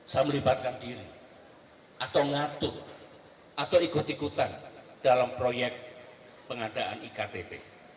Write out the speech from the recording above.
saya melibatkan diri atau ngatur atau ikut ikutan dalam proyek pengadaan iktp